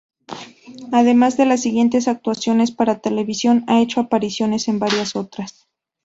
Además de las siguientes actuaciones para televisión, ha hecho apariciones en varias otras.